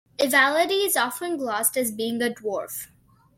Ivaldi is often glossed as being a dwarf.